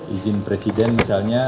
izin presiden misalnya